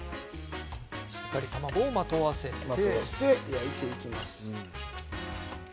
しっかり卵をまとわせて焼いていきます。